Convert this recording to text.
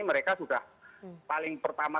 mereka sudah paling pertama